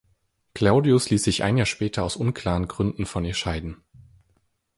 Claudius ließ sich ein Jahr später aus unklaren Gründen von ihr scheiden.